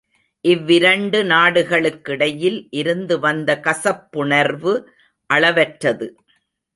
இவ்விரண்டு நாடுகளுக்கிடையில் இருந்து வந்த கசப்புணர்வு அளவற்றது.